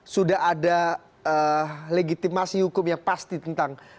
sudah ada legitimasi hukum yang pasti tentang